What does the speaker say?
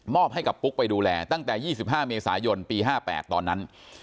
อบให้กับปุ๊กไปดูแลตั้งแต่๒๕เมษายนปี๕๘ตอนนั้น